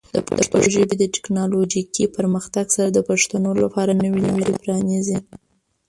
د پښتو ژبې د ټیکنالوجیکي پرمختګ سره، د پښتنو لپاره نوې لارې پرانیزي.